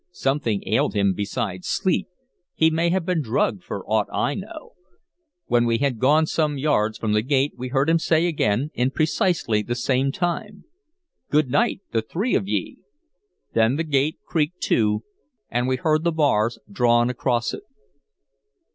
Something ailed him besides sleep; he may have been drugged, for aught I know. When we had gone some yards from the gate, we heard him say again, in precisely the same tone, "Good night, the three of ye!" Then the gate creaked to, and we heard the bars drawn across it.